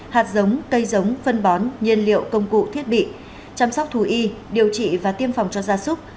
hạt giống cây giống phân bón nhiên liệu công cụ thiết bị chăm sóc thù y điều trị và tiêm phòng cho gia súc